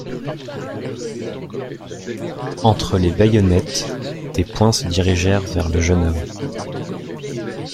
Entre les baïonnettes, des poings se dirigèrent vers le jeune homme.